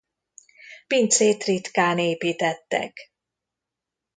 Pincét ritkán építettek.